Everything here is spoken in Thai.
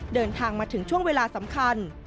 เดินทางมาถึงช่วงเวลาสำคัญ